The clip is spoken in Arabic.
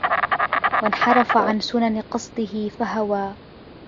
وَانْحَرَفَ عَنْ سُنَنِ قَصْدِهِ فَهَوَى